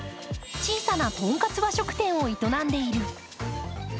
小さなとんかつ和食店を営んでいる。